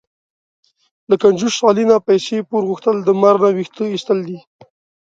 له کنجوس علي نه پیسې پور غوښتل، د مار نه وېښته ایستل دي.